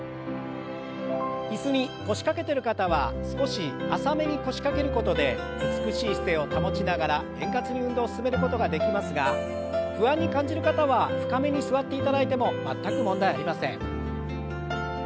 椅子に腰掛けてる方は少し浅めに腰掛けることで美しい姿勢を保ちながら円滑に運動を進めることができますが不安に感じる方は深めに座っていただいても全く問題ありません。